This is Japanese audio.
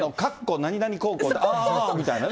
何々高校、あーあーみたいなね。